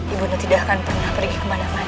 ibunda tidak akan pernah pergi kemana mana